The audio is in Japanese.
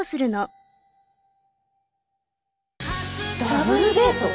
ダブルデート？